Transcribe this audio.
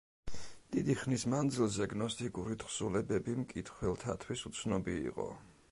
დიდი ხნის მანძილზე გნოსტიკური თხზულებები მკითხველთათვის უცნობი იყო.